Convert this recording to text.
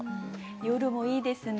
「夜」もいいですね。